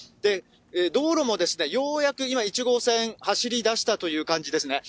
道路もようやく今、１号線走り出したという感じですね。